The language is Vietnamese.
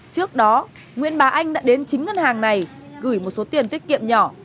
trước đó nguyễn bà anh đã đến chính ngân hàng này gửi một số tiền tiết kiệm nhỏ